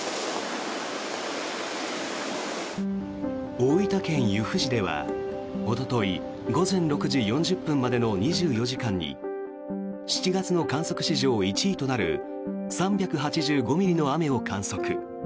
大分県由布市ではおととい午前６時４０分までの２４時間に７月の観測史上１位となる３８５ミリの雨を観測。